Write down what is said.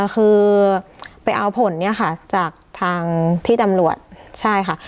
คือไปเอาผลจากทางที่จำรวจใช่ค่ะ